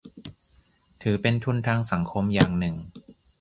ถือเป็นทุนทางสังคมอย่างหนึ่ง